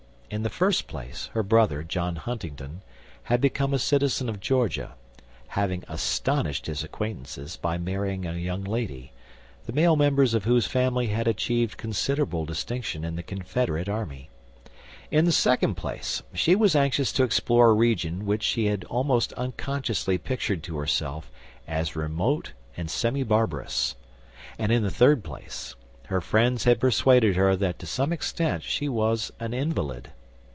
In the first place, her brother, John Huntingdon, had become a citizen of Georgia having astonished his acquaintances by marrying a young lady, the male members of whose family had achieved considerable distinction in the Confederate army; in the second place, she was anxious to explore a region which she almost unconsciously pictured to herself as remote and semi barbarous; and, in the third place, her friends had persuaded her that to some extent she was an invalid.